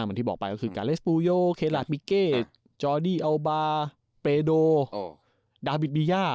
เหมือนที่บอกไปก็คือการเลสปูโยเคลาสปิเกจอร์ดีอัลบารเปดโอดาวิทบียา